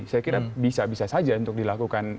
saya kira bisa bisa saja untuk dilakukan